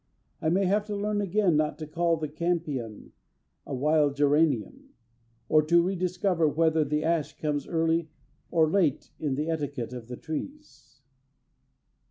I may have to learn again not to call the campion a wild geranium, and to rediscover whether the ash comes early or late in the etiquette of the trees.